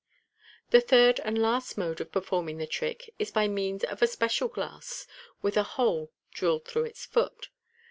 The third and last mode of performing the trick is by means of a special glass, with a hole drilled through its foot.